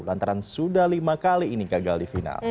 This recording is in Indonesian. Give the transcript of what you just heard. lantaran sudah lima kali ini gagal di final